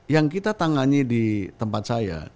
yang kita tangani di tempat saya